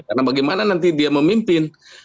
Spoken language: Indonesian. karena bagaimana nanti dia memimpin